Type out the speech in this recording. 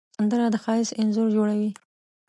سندره د ښایست انځور جوړوي